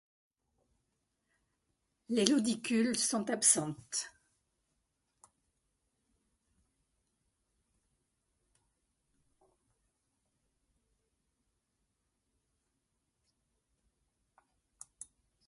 Les lodicules sont absentes.